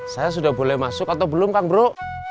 saya sudah boleh masuk atau belum kang bro